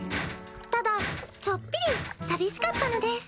ただちょっぴり寂しかったのです。